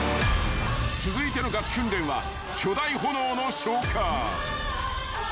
［続いてのがち訓練は巨大炎の消火］